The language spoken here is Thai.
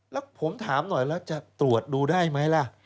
แล้วผมถามหน่อยแล้วจะตรวจดูได้ไหมล่ะ